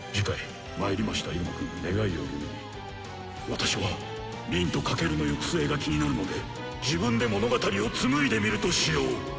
私は凛と翔の行く末が気になるので自分で物語を紡いでみるとしよう。